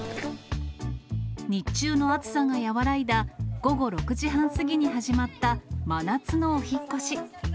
日中の暑さが和らいだ午後６時半過ぎに始まった、真夏のお引っ越し。